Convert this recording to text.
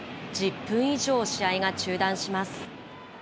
１０分以上、試合が中断します。